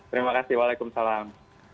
terima kasih waalaikumsalam